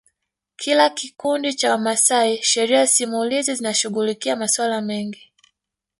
kila kikundi cha Wamasai Sheria simulizi zinashughulikia masuala mengi